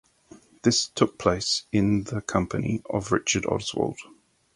This took place in the company of Richard Oswald.